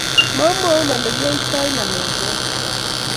Momwoun Ole kiyoitoi ngalechoto